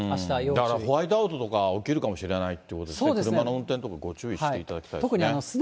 だからホワイトアウトとか起きるかもしれないっていうことですよね、車の運転とかご注意していただきたいですね。